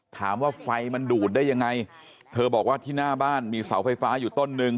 ถามว่าไฟมันดูดได้ยังไงเธอบอกว่าที่หน้าบ้านมีเสาไฟฟ้าอยู่ต้นนึง